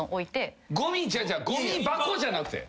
ごみ箱じゃなくて？